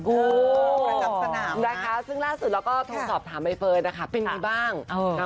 กระจัดสนามนะครัยซึ่งล่าสุดเราก็ทดสอบถามไบฟิลต่างมะ